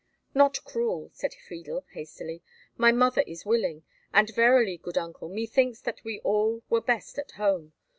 "Not cruel!" said Friedel, hastily. "My mother is willing. And verily, good uncle, methinks that we all were best at home.